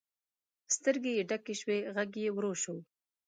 سترګې یې ډکې شوې، غږ یې ورو شو.